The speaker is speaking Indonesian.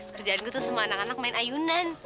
kerjaan gue tuh sama anak anak main ayunan